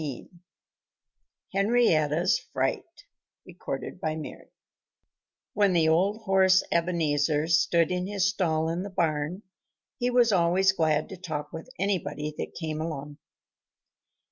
XV HENRIETTA'S FRIGHT When the old horse Ebenezer stood in his stall in the barn he was always glad to talk with anybody that came along.